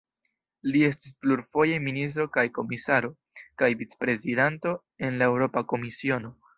Li estis plurfoje ministro kaj komisaro kaj vicprezidanto en la Eŭropa Komisiono.